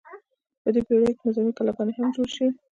په دې پیړیو کې نظامي کلاګانې هم جوړې شوې.